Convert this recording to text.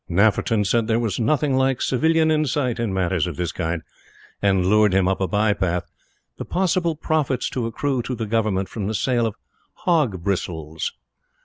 Nafferton said that there was nothing like Civilian insight in matters of this kind, and lured him up a bye path "the possible profits to accrue to the Government from the sale of hog bristles."